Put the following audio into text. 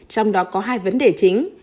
trong đó có hai vấn đề chính